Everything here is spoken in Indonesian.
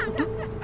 eh ini dia tuh